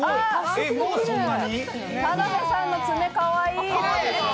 田辺さんの爪、かわいい。